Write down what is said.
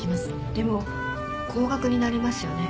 でも高額になりますよね？